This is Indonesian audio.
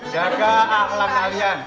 jaga akhlak kalian